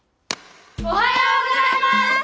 おはようございます！